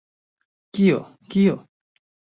Kio? Kio?